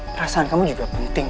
perasaan kamu juga penting